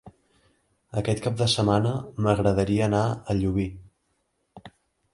Aquest cap de setmana m'agradaria anar a Llubí.